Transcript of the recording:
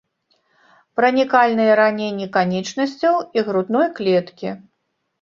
Пранікальныя раненні канечнасцяў і грудной клеткі.